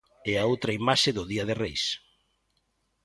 E a outra imaxe do día de Reis.